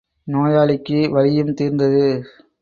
நோயாளிக்கு வலியும் தீர்ந்தது.